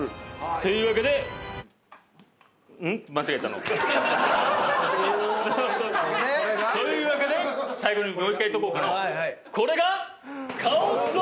というわけで？というわけで最後にもう１回いっとこうかのう。